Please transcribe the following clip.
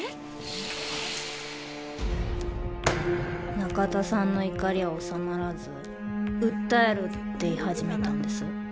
・中田さんの怒りはおさまらず訴えるって言い始めたんです